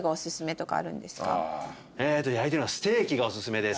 焼いてるのはステーキがおすすめです。